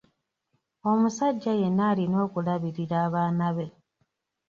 Omusajja yenna alina okulabirira abaana be.